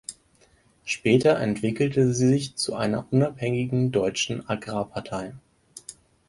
Später entwickelte sie sich zu einer unabhängigen deutschen Agrarpartei.